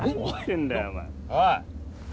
おい。